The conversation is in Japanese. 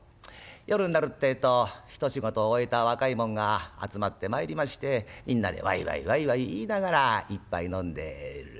夜になるってえと一仕事終えた若い者が集まってまいりましてみんなでわいわいわいわい言いながら一杯飲んでる。